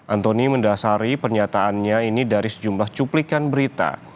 antoni mendasari pernyataannya ini dari sejumlah cuplikan berita